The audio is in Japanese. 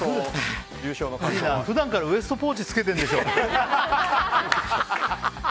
普段からウエストポーチ着けてるでしょ。